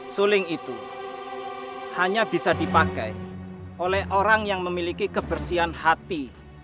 suling itu hanya bisa dipakai oleh orang yang memiliki kebersihan hati